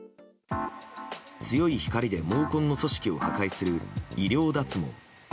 強い光で毛根の組織を破壊する医療脱毛。